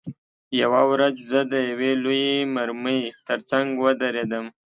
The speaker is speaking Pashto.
یوه ورځ زه د یوې لویې مرمۍ ترڅنګ ودرېدم